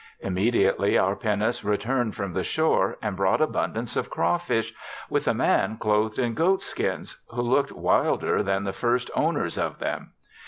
Im mediately our pinnace returned from the shore, and brought abundance of craw fish with a man cloth'd in goat skins, who look'd wilder than the first owner's of them.